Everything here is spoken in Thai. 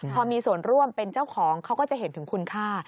พอมีส่วนร่วมเป็นเจ้าของเขาก็จะเห็นถึงคุณค่า